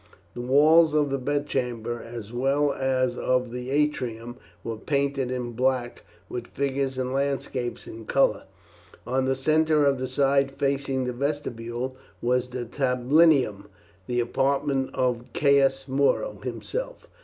The walls of the bed chambers as well as of the atrium were painted in black, with figures and landscapes in colour. On the centre of the side facing the vestibule was the tablinum, the apartment of Caius Muro himself.